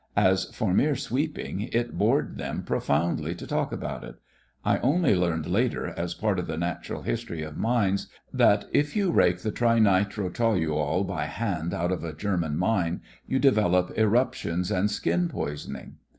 As for mere sweep ing, it bored them profoundly to talk about it. I only learned later as part of the natural history of mines, that if you rake the tri nitro toluol by hand out of a German mine you develop eruptions and skin poisoning.